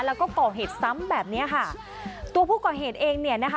แล้วก็ก่อเหตุซ้ำแบบเนี้ยค่ะตัวผู้ก่อเหตุเองเนี่ยนะคะ